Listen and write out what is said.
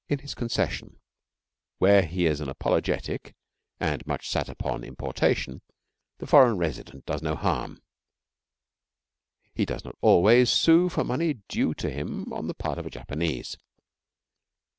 In his concession, where he is an apologetic and much sat upon importation, the foreign resident does no harm. He does not always sue for money due to him on the part of a Japanese.